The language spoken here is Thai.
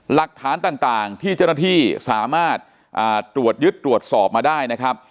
หลักฐานต่างที่เจ้าหน้าที่สามารถตรวจยึดตรวจสอบมาได้นะครับ